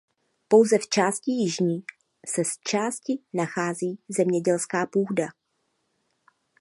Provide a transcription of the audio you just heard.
Pouze v části jižní se z části nachází zemědělská půda.